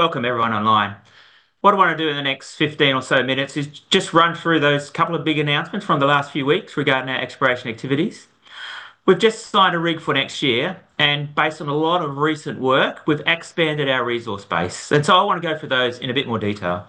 Welcome everyone online. What I want to do in the next 15 or so minutes is just run through those couple of big announcements from the last few weeks regarding our exploration activities. We've just signed a rig for next year, based on a lot of recent work, we've expanded our resource base. I want to go through those in a bit more detail.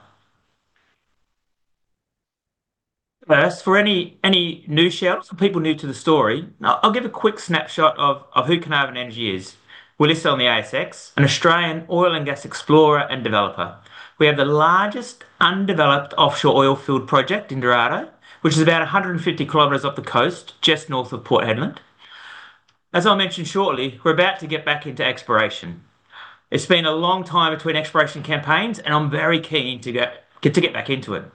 First, for any new shareholders or people new to the story, I'll give a quick snapshot of who Carnarvon Energy is. We list on the ASX, an Australian oil and gas explorer and developer. We have the largest undeveloped offshore oil field project in Dorado, which is about 150 km off the coast, just north of Port Hedland. As I'll mention shortly, we're about to get back into exploration. It's been a long time between exploration campaigns. I'm very keen to get back into it.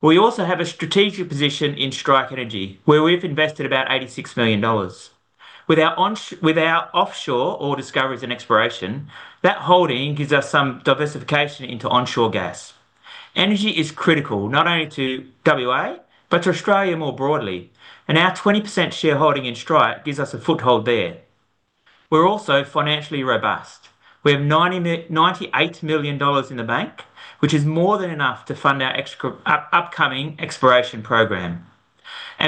We also have a strategic position in Strike Energy, where we've invested about 86 million dollars. With our offshore oil discoveries and exploration, that holding gives us some diversification into onshore gas. Energy is critical not only to W.A., but to Australia more broadly. Our 20% shareholding in Strike gives us a foothold there. We're also financially robust. We have 98 million dollars in the bank, which is more than enough to fund our upcoming exploration program.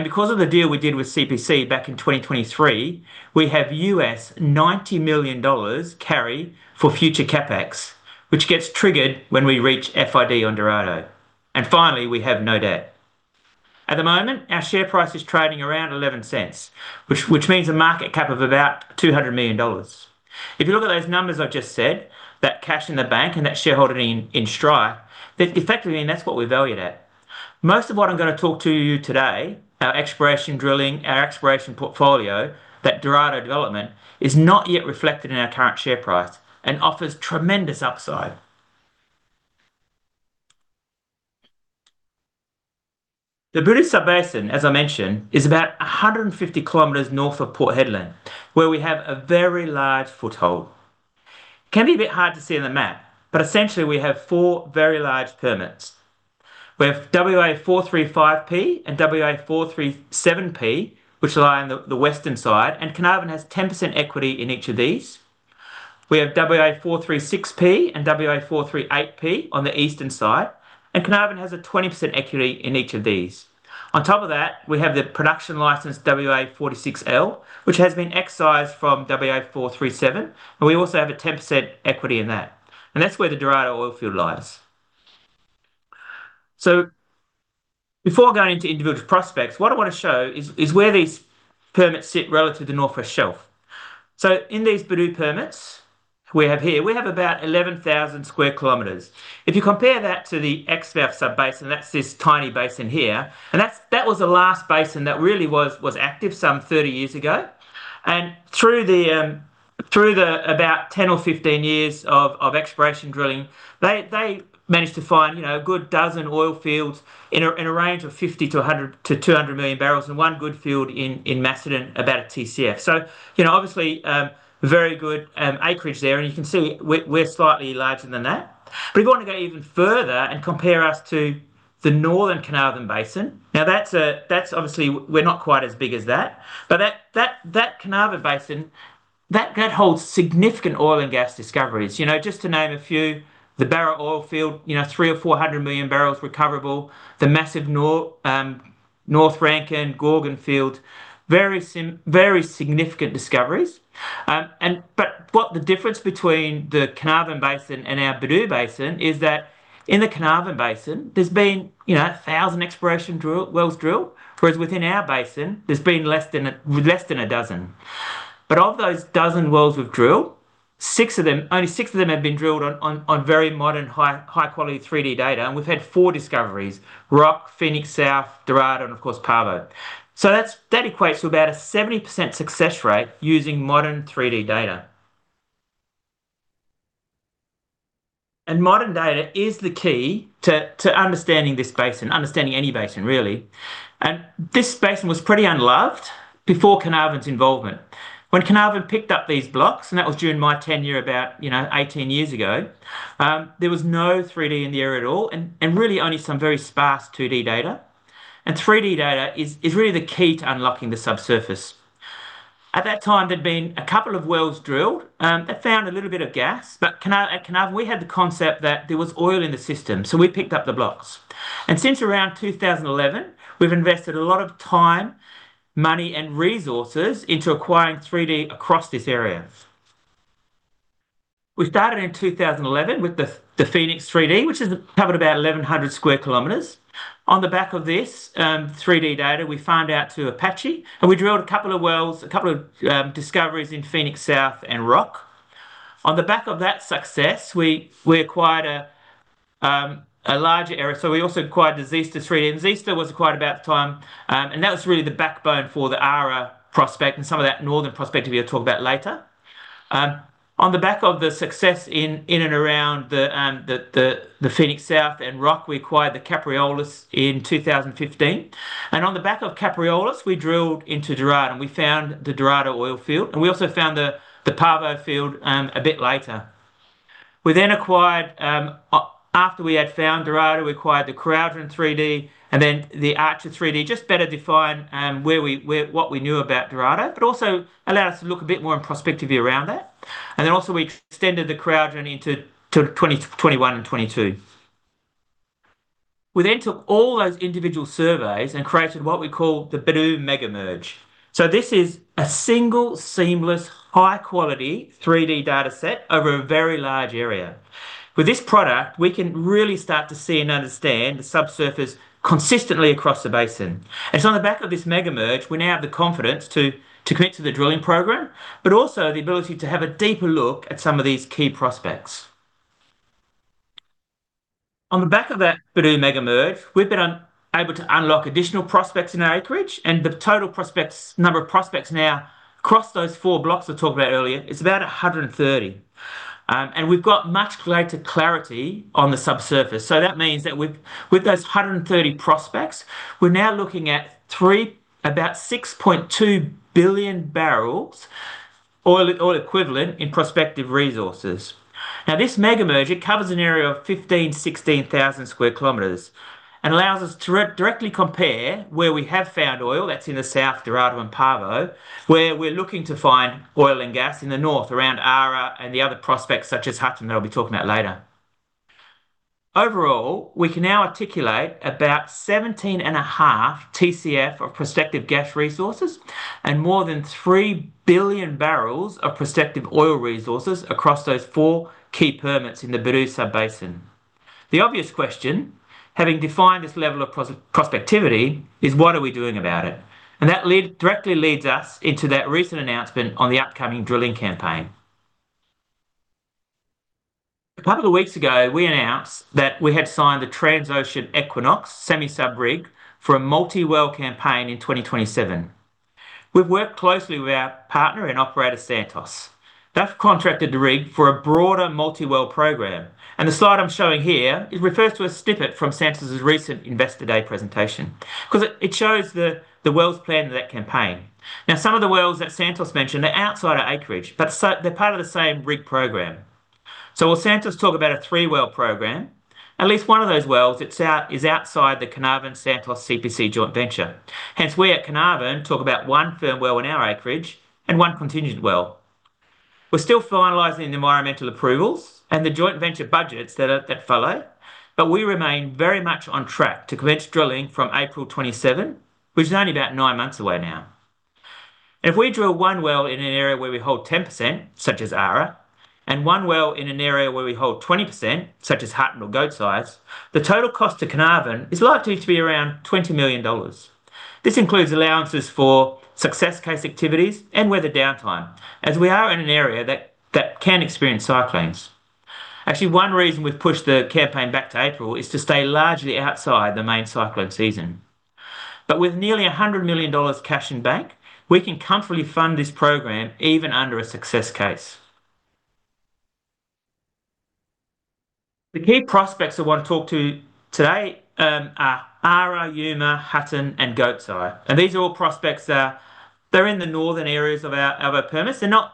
Because of the deal we did with CPC back in 2023, we have $90 million carry for future CapEx, which gets triggered when we reach FID on Dorado. Finally, we have no debt. At the moment, our share price is trading around 0.11, which means a market cap of about 200 million dollars. If you look at those numbers I've just said, that cash in the bank and that shareholding in Strike, effectively that's what we're valued at. Most of what I'm going to talk to you today, our exploration drilling, our exploration portfolio, that Dorado development, is not yet reflected in our current share price and offers tremendous upside. The Bedout Sub-basin, as I mentioned, is about 150 km north of Port Hedland, where we have a very large foothold. It can be a bit hard to see on the map. Essentially we have four very large permits. We have WA-435P and WA-437P, which lie on the western side. Carnarvon has 10% equity in each of these. We have WA-436P and WA-438P on the eastern side. Carnarvon has a 20% equity in each of these. On top of that, we have the production license, WA-46L, which has been excised from WA-437. We also have a 10% equity in that. That's where the Dorado oil field lies. Before going into individual prospects, what I want to show is where these permits sit relative to the North West Shelf. In these Bedout permits we have here, we have about 11,000 sq km. If you compare that to the Exmouth Sub-basin, that's this tiny basin here. That was the last basin that really was active some 30 years ago. Through the about 10 or 15 years of exploration drilling, they managed to find a good dozen oil fields in a range of 50 million to 100 million-200 million barrels and one good field in Macedon, about a Tcf. Obviously, very good acreage there, you can see we're slightly larger than that. If you want to go even further and compare us to the northern Carnarvon Basin. Obviously, we're not quite as big as that, but that Carnarvon Basin, that holds significant oil and gas discoveries. Just to name a few, the Barrow Island oil field, 300 million or 400 million barrels recoverable. The massive North Rankin Gorgon field. Very significant discoveries. What the difference between the Carnarvon Basin and our Bedout Basin is that in the Carnarvon Basin, there's been 1,000 exploration wells drilled, whereas within our basin, there's been less than a dozen. Of those dozen wells we've drilled, only six of them have been drilled on very modern, high quality 3D data, and we've had four discoveries, Roc, Phoenix South, Dorado, and of course, Pavo. That equates to about a 70% success rate using modern 3D data. Modern data is the key to understanding this basin, understanding any basin, really. This basin was pretty unloved before Carnarvon's involvement. When Carnarvon picked up these blocks, that was during my tenure about 18 years ago, there was no 3D in the area at all, and really only some very sparse 2D data. 3D data is really the key to unlocking the subsurface. At that time, there'd been a couple of wells drilled that found a little bit of gas, but at Carnarvon, we had the concept that there was oil in the system, so we picked up the blocks. Since around 2011, we've invested a lot of time, money, and resources into acquiring 3D across this area. We started in 2011 with the Phoenix 3D, which covered about 1,100 sq km. On the back of this 3D data, we farmed out to Apache, and we drilled a couple of wells, a couple of discoveries in Phoenix South and Roc. On the back of that success, we acquired a larger area. We also acquired the Zeester 3D, and Zeester was acquired about the time, and that was really the backbone for the Ara prospect and some of that northern prospect that we'll talk about later. On the back of the success in and around the Phoenix South and Roc, we acquired the Capreolus in 2015. On the back of Capreolus, we drilled into Dorado, and we found the Dorado oil field, and we also found the Pavo field a bit later. We then acquired, after we had found Dorado, we acquired the Crowdin 3D and the Archer 3D, just better define what we knew about Dorado, but also allowed us to look a bit more in prospective view around that. Also we extended the Crowdin into 2021 and 2022. We took all those individual surveys and created what we call the Bedout Mega-Merge. This is a single, seamless, high quality 3D data set over a very large area. With this product, we can really start to see and understand the subsurface consistently across the basin. On the back of this Mega-Merge, we now have the confidence to commit to the drilling program, but also the ability to have a deeper look at some of these key prospects. On the back of that Bedout Mega-Merge, we've been able to unlock additional prospects in our acreage. We've got much greater clarity on the subsurface. That means that with those 130 prospects, we're now looking at about 6.2 billion barrels oil equivalent in prospective resources. This Mega-Merge covers an area of 15,000, 16,000 sq km and allows us to directly compare where we have found oil, that's in the south, Dorado and Pavo, where we're looking to find oil and gas in the north around Ara and the other prospects such as Hutton, that I'll be talking about later. Overall, we can now articulate about 17.5 Tcf of prospective gas resources and more than 3 billion barrels of prospective oil resources across those four key permits in the Bedout Sub-basin. The obvious question, having defined this level of prospectivity, is what are we doing about it? That directly leads us into that recent announcement on the upcoming drilling campaign. A couple of weeks ago, we announced that we had signed the Transocean Equinox semi-sub rig for a multi-well campaign in 2027. We've worked closely with our partner and operator, Santos. They've contracted the rig for a broader multi-well program. The slide I'm showing here refers to a snippet from Santos's recent Investor Day presentation because it shows the wells planned in that campaign. Some of the wells that Santos mentioned are outside our acreage, but they're part of the same rig program. While Santos talk about a three-well program, at least one of those wells is outside the Carnarvon-Santos CPC joint venture. Hence, we at Carnarvon talk about one firm well in our acreage and one contingent well. We're still finalizing the environmental approvals and the joint venture budgets that follow, but we remain very much on track to commence drilling from April 2027, which is only about nine months away now. If we drill one well in an area where we hold 10%, such as Ara, and one well in an area where we hold 20%, such as Hutton or Goats Eye, the total cost to Carnarvon is likely to be around 20 million dollars. This includes allowances for success case activities and weather downtime, as we are in an area that can experience cyclones. Actually, one reason we've pushed the campaign back to April is to stay largely outside the main cyclone season. With nearly 100 million dollars cash in bank, we can comfortably fund this program even under a success case. The key prospects I want to talk to today are Ara, Yuma, Hutton, and Goats Eye. These are all prospects that they're in the northern areas of our permits. They're not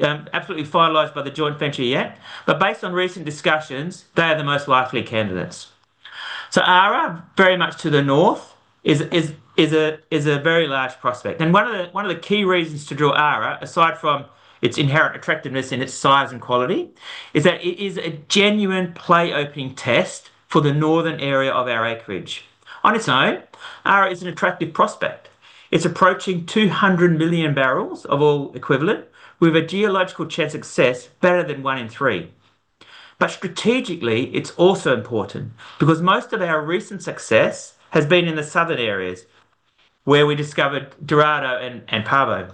absolutely finalized by the joint venture yet, but based on recent discussions, they are the most likely candidates. Ara, very much to the north, is a very large prospect. One of the key reasons to drill Ara, aside from its inherent attractiveness in its size and quality, is that it is a genuine play opening test for the northern area of our acreage. On its own, Ara is an attractive prospect. It's approaching 200 million barrels of oil equivalent with a geological chance success better than one in three. Strategically, it's also important because most of our recent success has been in the southern areas where we discovered Dorado and Pavo.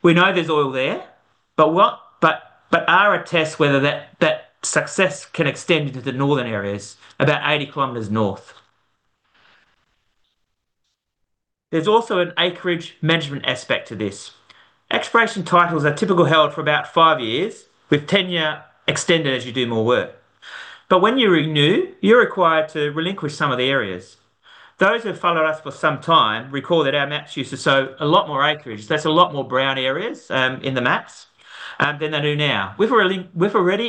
We know there's oil there, but Ara tests whether that success can extend into the northern areas about 80 km north. There's also an acreage management aspect to this. Exploration titles are typically held for about five years with tenure extended as you do more work. When you renew, you're required to relinquish some of the areas. Those who have followed us for some time recall that our maps used to show a lot more acreage, that's a lot more brown areas in the maps, than they do now. We've already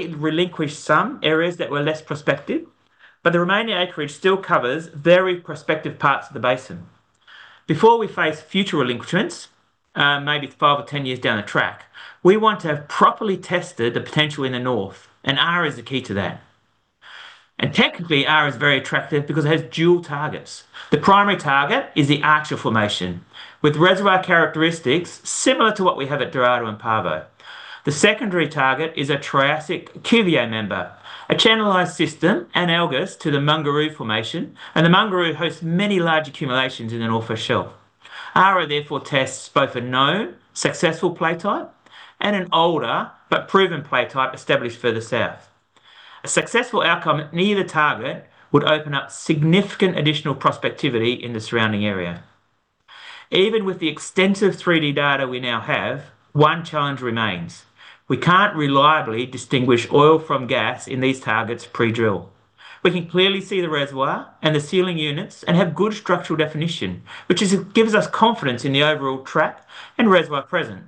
relinquished some areas that were less prospective, the remaining acreage still covers very prospective parts of the basin. Before we face future relinquishments, maybe five or 10 years down the track, we want to have properly tested the potential in the north, and Ara is the key to that. Technically, Ara is very attractive because it has dual targets. The primary target is the Archer Formation, with reservoir characteristics similar to what we have at Dorado and Pavo. The secondary target is a Triassic Cuvier Member, a channelized system analogous to the Mungaroo Formation, and the Mungaroo hosts many large accumulations in an offshore shelf. Ara therefore tests both a known successful play type and an older but proven play type established further south. A successful outcome at either target would open up significant additional prospectivity in the surrounding area. Even with the extensive 3D data we now have, one challenge remains. We can't reliably distinguish oil from gas in these targets pre-drill. We can clearly see the reservoir and the sealing units and have good structural definition, which gives us confidence in the overall trap and reservoir present.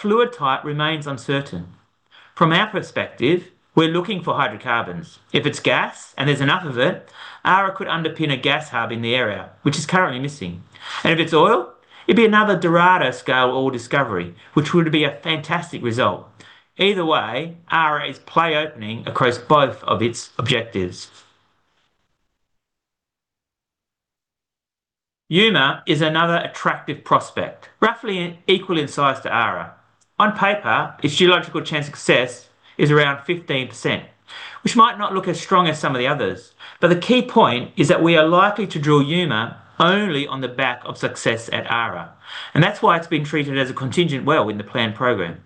Fluid type remains uncertain. From our perspective, we're looking for hydrocarbons. If it's gas and there's enough of it, Ara could underpin a gas hub in the area, which is currently missing. If it's oil, it'd be another Dorado scale oil discovery, which would be a fantastic result. Either way, Ara is play opening across both of its objectives. Yuma is another attractive prospect, roughly equal in size to Ara. On paper, its geological chance of success is around 15%, which might not look as strong as some of the others. The key point is that we are likely to drill Yuma only on the back of success at Ara, that's why it's been treated as a contingent well in the planned program.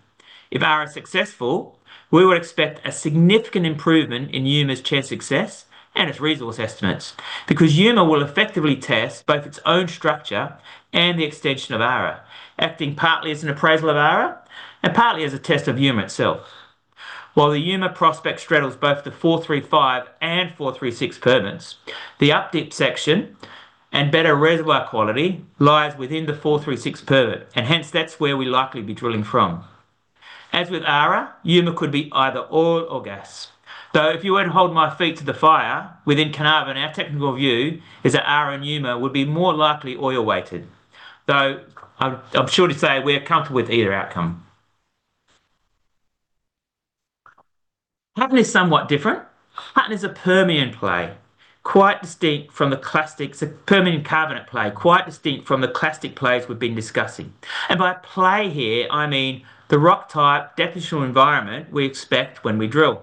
If Ara's successful, we would expect a significant improvement in Yuma's chance of success and its resource estimates, because Yuma will effectively test both its own structure and the extension of Ara, acting partly as an appraisal of Ara and partly as a test of Yuma itself. While the Yuma prospect straddles both the 435 and 436 permits, the up-dip section and better reservoir quality lies within the 436 permit, hence that's where we'll likely be drilling from. As with Ara, Yuma could be either oil or gas, though if you were to hold my feet to the fire within Carnarvon, our technical view is that Ara and Yuma would be more likely oil weighted. I'm sure to say we're comfortable with either outcome. Hutton is somewhat different. Hutton is a Permian play, quite distinct from the clastics. It's a Permian carbonate play, quite distinct from the clastic plays we've been discussing. By play here, I mean the rock type depositional environment we expect when we drill.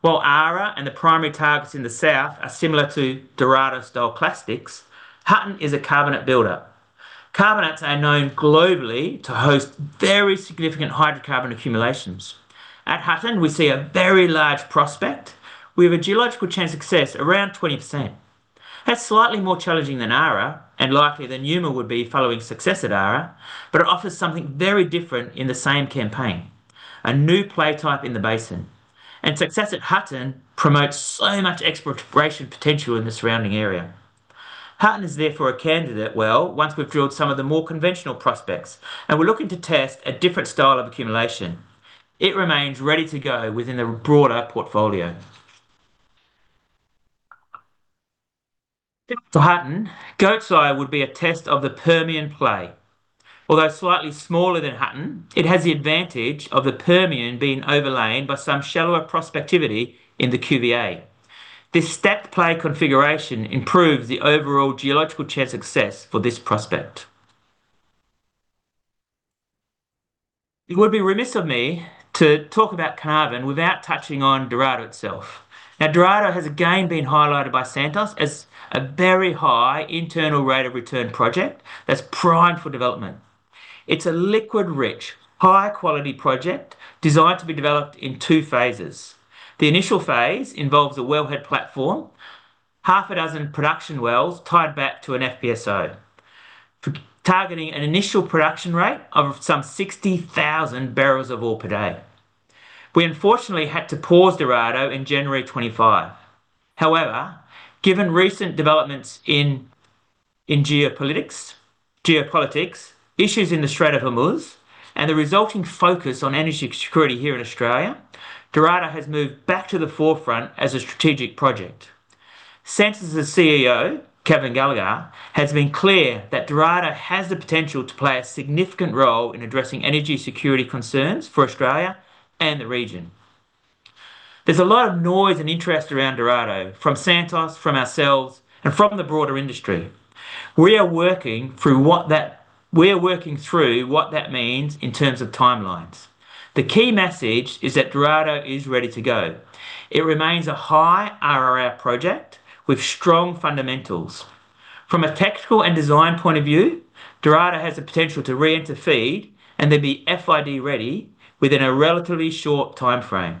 While Ara and the primary targets in the south are similar to Dorado style clastics, Hutton is a carbonate buildup. Carbonates are known globally to host very significant hydrocarbon accumulations. At Hutton, we see a very large prospect with a geological chance of success around 20%. That's slightly more challenging than Ara and likely than Yuma would be following success at Ara. It offers something very different in the same campaign. A new play type in the basin. Success at Hutton promotes so much exploration potential in the surrounding area. Hutton is therefore a candidate well once we've drilled some of the more conventional prospects. We're looking to test a different style of accumulation. It remains ready to go within the broader portfolio. Similar to Hutton, Goats Eye would be a test of the Permian play. Although slightly smaller than Hutton, it has the advantage of the Permian being overlain by some shallower prospectivity in the QVA. This stacked play configuration improves the overall geological chance of success for this prospect. It would be remiss of me to talk about Carnarvon without touching on Dorado itself. Dorado has again been highlighted by Santos as a very high Internal Rate of Return project that's primed for development. It's a liquid rich, high-quality project designed to be developed in two phases. The initial phase involves a wellhead platform, half a dozen production wells tied back to an FPSO, targeting an initial production rate of some 60,000 bbl of oil per day. We unfortunately had to pause Dorado in January 2025. Given recent developments in geopolitics, issues in the Strait of Hormuz, and the resulting focus on energy security here in Australia, Dorado has moved back to the forefront as a strategic project. Santos' CEO, Kevin Gallagher, has been clear that Dorado has the potential to play a significant role in addressing energy security concerns for Australia and the region. There's a lot of noise and interest around Dorado from Santos, from ourselves, and from the broader industry. We are working through what that means in terms of timelines. The key message is that Dorado is ready to go. It remains a high IRR project with strong fundamentals. From a technical and design point of view, Dorado has the potential to re-enter FEED and then be FID-ready within a relatively short timeframe,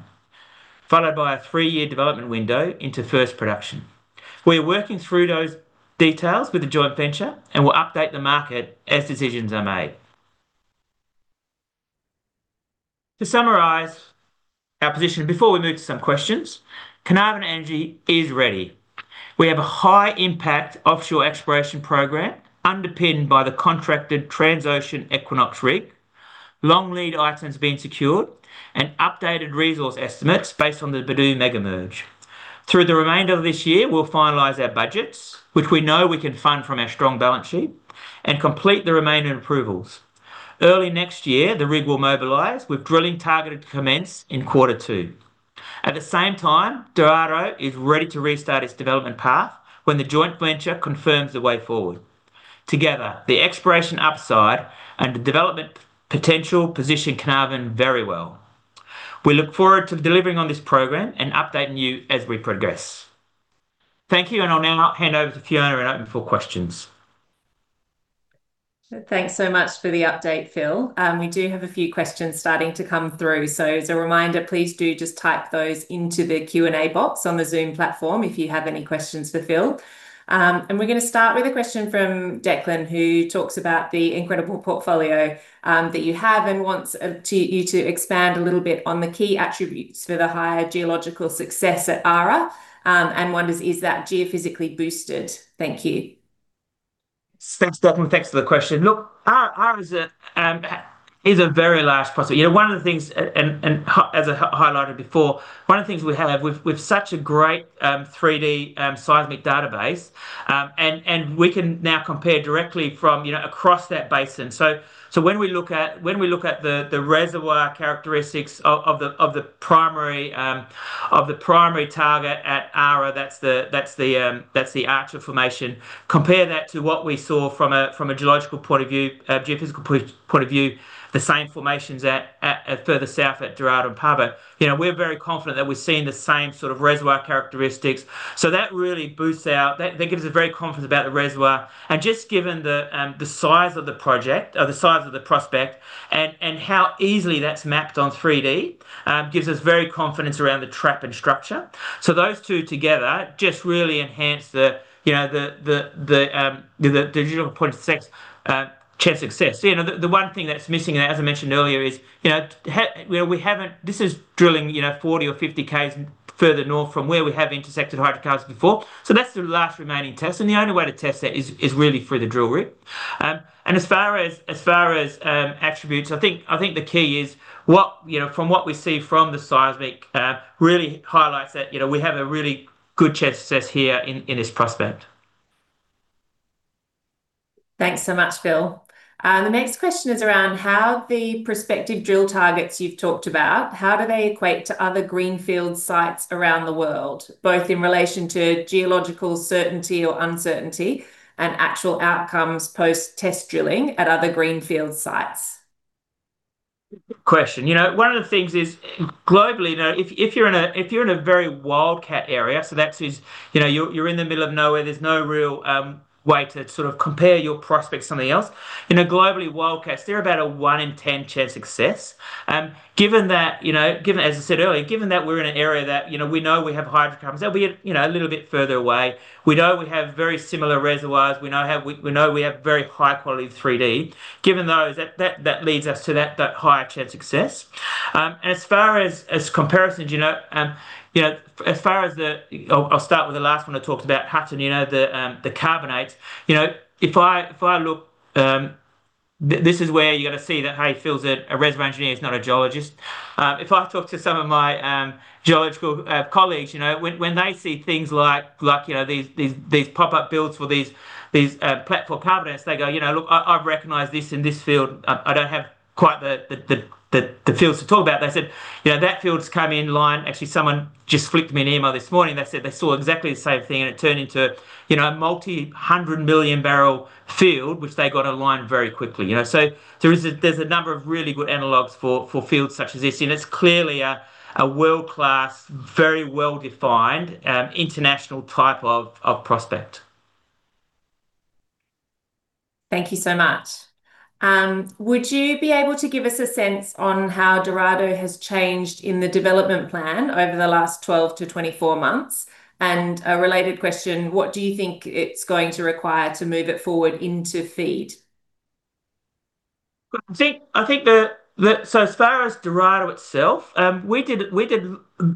followed by a three-year development window into first production. We are working through those details with the joint venture and will update the market as decisions are made. To summarize our position before we move to some questions, Carnarvon Energy is ready. We have a high impact offshore exploration program underpinned by the contracted Transocean Equinox rig, long lead items being secured, and updated resource estimates based on the Bedout Mega-Merge. Through the remainder of this year, we'll finalize our budgets, which we know we can fund from our strong balance sheet, and complete the remaining approvals. Early next year, the rig will mobilize with drilling targeted to commence in quarter two. At the same time, Dorado is ready to restart its development path when the joint venture confirms the way forward. Together, the exploration upside and the development potential position Carnarvon very well. We look forward to delivering on this program and updating you as we progress. Thank you, and I'll now hand over to Fiona and open for questions. Thanks so much for the update, Phil. We do have a few questions starting to come through. As a reminder, please do just type those into the Q&A box on the Zoom platform if you have any questions for Phil. We're going to start with a question from Declan, who talks about the incredible portfolio that you have and wants you to expand a little bit on the key attributes for the higher geological success at Ara, and wonders is that geophysically boosted? Thank you. Thanks, Declan. Thanks for the question. Look, Ara is a very large prospect. One of the things we have, we've such a great 3D seismic database, and we can now compare directly from across that basin. When we look at the reservoir characteristics of the primary target at Ara, that's the Archer Formation. Compare that to what we saw from a geological point of view, a geophysical point of view, the same formations further south at Dorado and Pavo. We're very confident that we're seeing the same sort of reservoir characteristics. That really boosts out, that gives us very confidence about the reservoir. Just given the size of the project or the size of the prospect and how easily that's mapped on 3D, gives us very confidence around the trap and structure. Those two together just really enhance the geological point of success, chance of success. The one thing that's missing, as I mentioned earlier, is this is drilling 40 km or 50 km further north from where we have intersected hydrocarbons before. That's the last remaining test, and the only way to test that is really through the drill rig. As far as attributes, I think the key is from what we see from the seismic really highlights that we have a really good chance of success here in this prospect. Thanks so much, Phil. The next question is around how the prospective drill targets you've talked about, how do they equate to other greenfield sites around the world, both in relation to geological certainty or uncertainty and actual outcomes post test drilling at other greenfield sites? Good question. One of the things is globally, if you're in a very wildcat area, that is you're in the middle of nowhere, there's no real way to sort of compare your prospect to something else. In a globally wildcat, they're about a one in 10 chance success. As I said earlier, given that we're in an area that we know we have hydrocarbons, they'll be a little bit further away. We know we have very similar reservoirs. We know we have very high quality 3D. Given those, that leads us to that higher chance success. As far as comparisons, I'll start with the last one I talked about, Hutton, the carbonates. This is where you got to see that, hey, Phil's a reservoir engineer, he's not a geologist. If I talk to some of my geological colleagues, when they see things like these pop-up builds for these platform carbonates, they go, "Look, I recognize this and this field." I don't have quite the fields to talk about. They said, "That field's come in line." Actually, someone just flicked me an email this morning that said they saw exactly the same thing, and it turned into a multi-hundred-million barrel field, which they got online very quickly. There's a number of really good analogs for fields such as this, and it's clearly a world-class, very well-defined, international type of prospect. Thank you so much. Would you be able to give us a sense on how Dorado has changed in the development plan over the last 12-24 months? A related question, what do you think it's going to require to move it forward into FEED? As far as Dorado itself, we did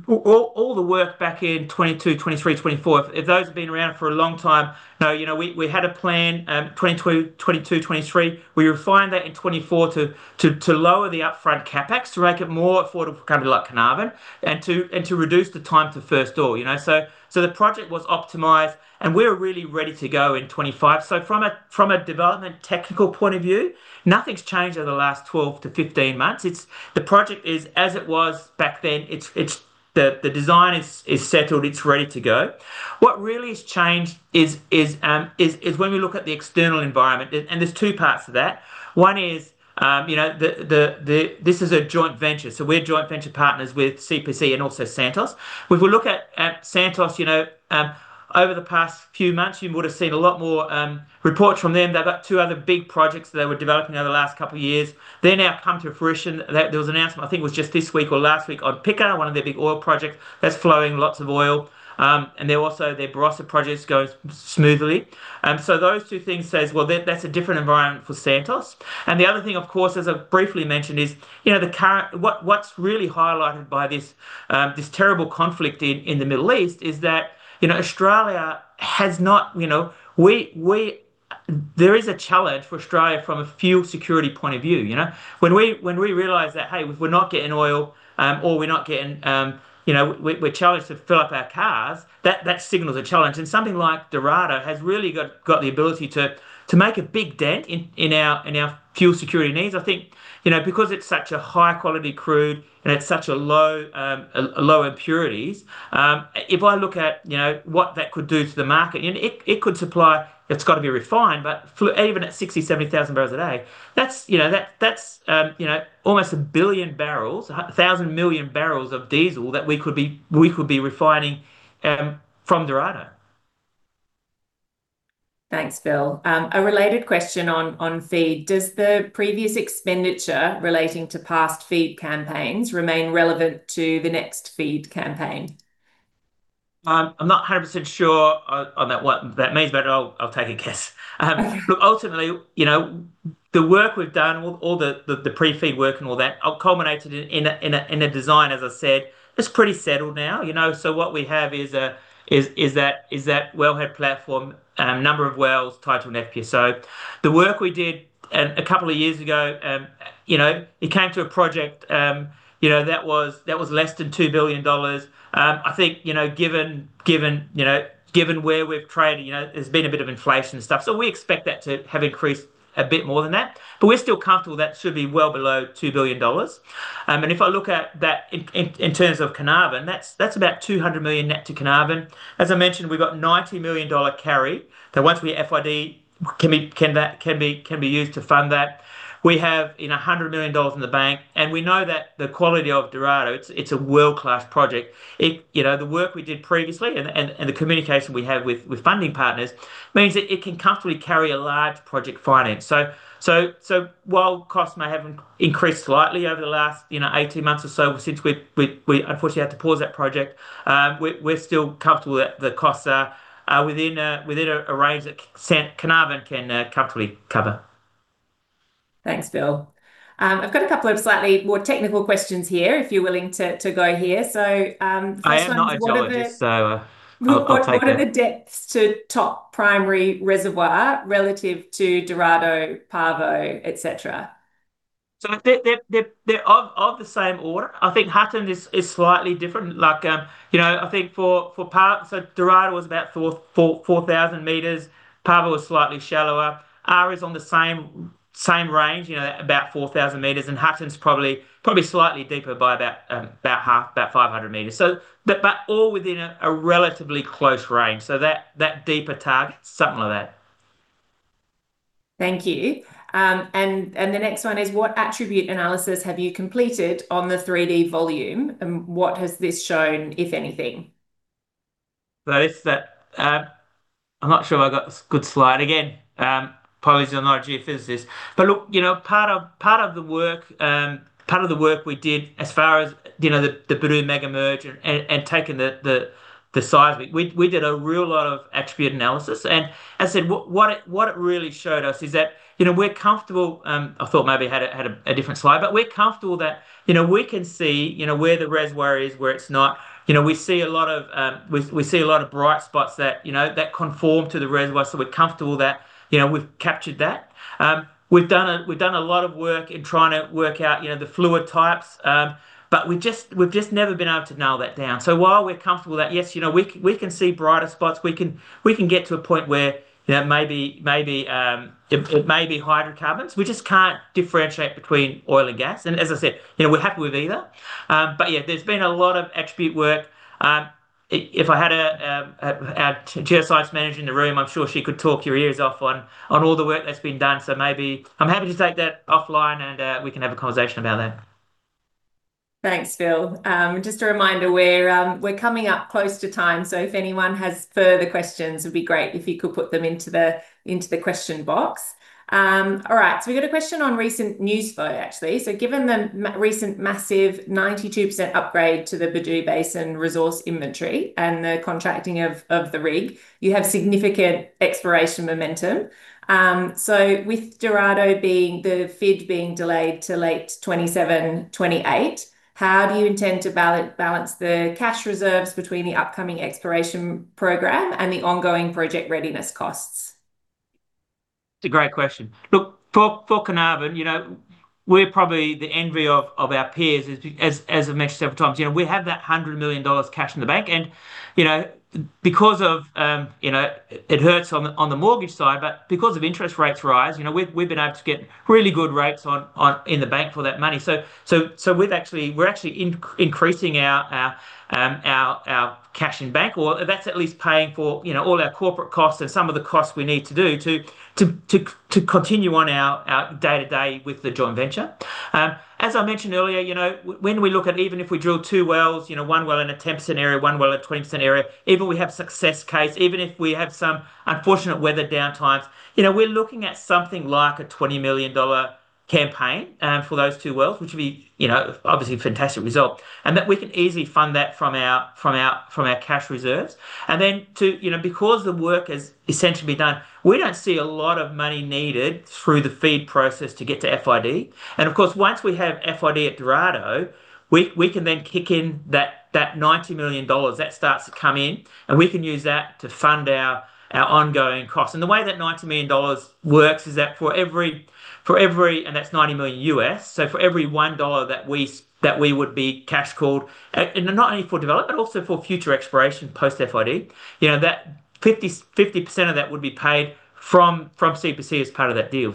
all the work back in 2022, 2023, 2024. Those have been around for a long time. We had a plan, 2022, 2023. We refined that in 2024 to lower the upfront CapEx to make it more affordable, kind of be like Carnarvon, and to reduce the time to first oil. The project was optimized, and we're really ready to go in 2025. From a development technical point of view, nothing's changed over the last 12-15 months. The project is as it was back then. The design is settled. It's ready to go. What really has changed is when we look at the external environment, and there's two parts to that. One is, this is a joint venture. We're joint venture partners with CPC and also Santos. If we look at Santos over the past few months, you would have seen a lot more reports from them. They've got two other big projects that they were developing over the last couple of years. They're now come to fruition. There was an announcement, I think it was just this week or last week, on Pikka, one of their big oil projects. That's flowing lots of oil. Then also their Barossa projects goes smoothly. Those two things says, well, that's a different environment for Santos. The other thing, of course, as I briefly mentioned, is what's really highlighted by this terrible conflict in the Middle East is that there is a challenge for Australia from a fuel security point of view. When we realize that, hey, we're not getting oil, or we're challenged to fill up our cars, that signals a challenge. Something like Dorado has really got the ability to make a big dent in our fuel security needs. I think because it's such a high-quality crude and it's such a low impurities, if I look at what that could do to the market, it could supply, it's got to be refined. But even at 60,000 bbl-70,000 bbl a day, that's almost 1 billion barrels of diesel that we could be refining from Dorado. Thanks, Phil. A related question on FEED. Does the previous expenditure relating to past FEED campaigns remain relevant to the next FEED campaign? I'm not 100% sure on what that means, but I'll take a guess. Ultimately, the work we've done, all the pre-FEED work and all that, all culminated in a design, as I said. It's pretty settled now. What we have is that wellhead platform, number of wells, tie-in and FPSO. The work we did a couple of years ago came to a project that was less than 2 billion dollars. I think, given where we've traded, there's been a bit of inflation and stuff, so we expect that to have increased a bit more than that. We're still comfortable that should be well below 2 billion dollars. If I look at that in terms of Carnarvon, that's about 200 million net to Carnarvon. As I mentioned, we've got $90 million carry that once we FID can be used to fund that. We have 100 million dollars in the bank, and we know that the quality of Dorado, it's a world-class project. The work we did previously and the communication we have with funding partners means that it can comfortably carry a large project finance. While costs may have increased slightly over the last 18 months or so since we unfortunately had to pause that project, we're still comfortable that the costs are within a range that Carnarvon can comfortably cover. Thanks, Phil. I've got a couple of slightly more technical questions here if you're willing to go here. First one. I am not a geologist, so I'll take it. What are the depths to top primary reservoir relative to Dorado, Pavo, et cetera? They're of the same order. I think Hutton is slightly different. Dorado was about 4,000 m. Pavo was slightly shallower. Roc is on the same range, about 4,000 m. Hutton's probably slightly deeper by about half, about 500 m. All within a relatively close range, so that deeper target, something like that. Thank you. The next one is, what attribute analysis have you completed on the 3D volume? What has this shown, if anything? I'm not sure I got the good slide again. Probably because I'm not a geophysicist. Look, part of the work we did as far as the Bedout Mega-Merge and taking the seismic, we did a real lot of attribute analysis. As I said, what it really showed us is that we're comfortable that we can see where the reservoir is, where it's not. We see a lot of bright spots that conform to the reservoir. We're comfortable that we've captured that. We've done a lot of work in trying to work out the fluid types. We've just never been able to nail that down. While we're comfortable that yes, we can see brighter spots, we can get to a point where it may be hydrocarbons. We just can't differentiate between oil and gas, and as I said, we're happy with either. Yeah, there's been a lot of attribute work. If I had our geoscience manager in the room, I'm sure she could talk your ears off on all the work that's been done. Maybe I'm happy to take that offline, and we can have a conversation about that. Thanks, Phil. Just a reminder, we're coming up close to time. If anyone has further questions, it'd be great if you could put them into the question box. All right, we've got a question on recent news flow, actually. Given the recent massive 92% upgrade to the Bedout Basin resource inventory and the contracting of the rig, you have significant exploration momentum. With Dorado, the FID being delayed to late 2027, 2028, how do you intend to balance the cash reserves between the upcoming exploration program and the ongoing project readiness costs? It's a great question. Look, for Carnarvon, we're probably the envy of our peers, as I've mentioned several times. We have that 100 million dollars cash in the bank. It hurts on the mortgage side, but because of interest rates rise, we've been able to get really good rates in the bank for that money. We're actually increasing our cash in bank, or that's at least paying for all our corporate costs and some of the costs we need to do to continue on our day-to-day with the joint venture. As I mentioned earlier, when we look at even if we drill two wells, one well in a 10% area, one well at 20% area, even if we have success case, even if we have some unfortunate weather downtimes, we're looking at something like an 20 million dollar campaign for those two wells, which would be obviously a fantastic result. That we can easily fund that from our cash reserves. Then because the work is essentially being done, we don't see a lot of money needed through the FEED process to get to FID. Of course, once we have FID at Dorado, we can then kick in that $90 million. That starts to come in. We can use that to fund our ongoing costs. The way that $90 million works is that for every, that's $90 million, for every $1 that we would be cash called, not only for development, but also for future exploration post-FID, 50% of that would be paid from CPC as part of that deal.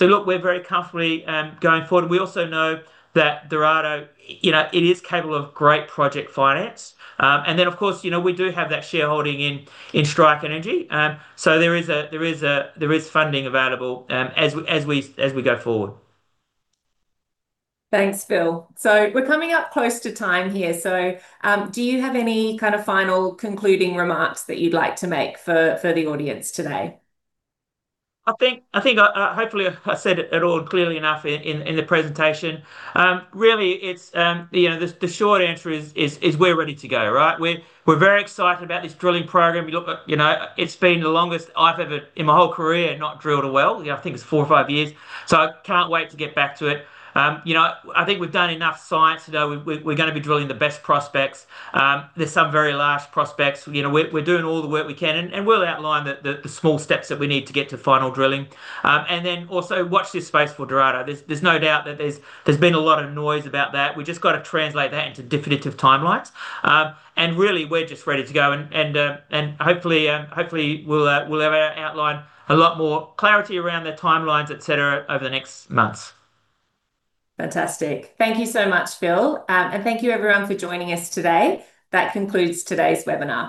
Look, we're very comfortably going forward. We also know that Dorado, it is capable of great project finance. Then, of course, we do have that shareholding in Strike Energy. There is funding available as we go forward. Thanks, Phil. We're coming up close to time here. Do you have any kind of final concluding remarks that you'd like to make for the audience today? I think hopefully I said it all clearly enough in the presentation. Really, the short answer is we're ready to go, right? We're very excited about this drilling program. It's been the longest I've ever, in my whole career, not drilled a well. I think it's four or five years. I can't wait to get back to it. I think we've done enough science. We're going to be drilling the best prospects. There's some very large prospects. We're doing all the work we can, and we'll outline the small steps that we need to get to final drilling. Also watch this space for Dorado. There's no doubt that there's been a lot of noise about that. We've just got to translate that into definitive timelines. Really, we're just ready to go, and hopefully, we'll outline a lot more clarity around the timelines, et cetera, over the next months. Fantastic. Thank you so much, Phil. Thank you everyone for joining us today. That concludes today's webinar.